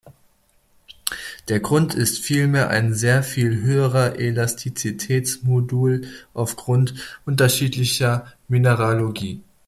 Der Grund ist viel mehr ein sehr viel höherer Elastizitätsmodul aufgrund unterschiedlicher Mineralogie.